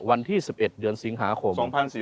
วันที่๑๑เดือนสิงหาคม๒๔๙